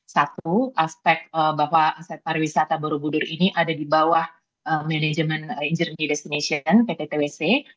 satu aspek bahwa aset pariwisata borobudur ini ada di bawah management in journey destination pttwc